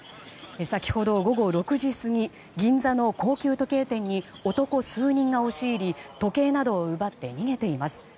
先ほど午後６時過ぎ銀座の高級時計店に男数人が押し入り時計などを奪って逃げています。